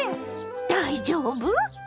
大丈夫？